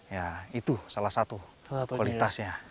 ya itu salah satu kualitasnya